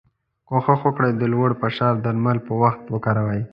کوښښ وکړی د لوړ فشار درمل په وخت وکاروی.